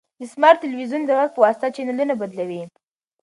دا سمارټ تلویزیون د غږ په واسطه چینلونه بدلوي.